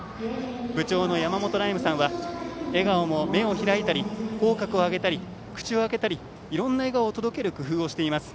部長のやまもとさんは笑顔も口角を上げたり口を開けたり、いろんな笑顔を届ける工夫をしています。